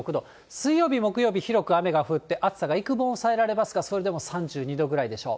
水曜日、木曜日、広く雨が降って、暑さはいくぶん抑えられますが、それでも３２度ぐらいでしょう。